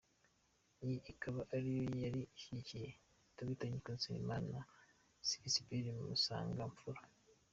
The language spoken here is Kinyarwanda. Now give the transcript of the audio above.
Iyi ikaba ariyo yari ishyigikiye Dr Nkiko Nsengimana na Sixbert Musangamfura.